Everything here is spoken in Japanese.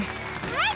はい！